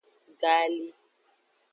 Gali.